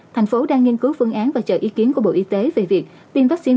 tp hcm đang nghiên cứu phương án và chờ ý kiến của bộ y tế về việc tiêm vaccine